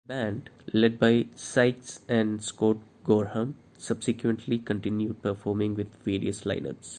The band, led by Sykes and Scott Gorham, subsequently continued performing with various lineups.